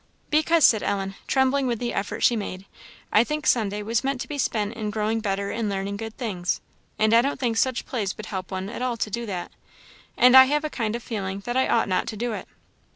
"Because," said Ellen, trembling with the effort she made, "I think Sunday was meant to be spent in growing better and learning good things; and I don't think such plays would help one at all to do that; and I have a kind of feeling that I ought not to do it."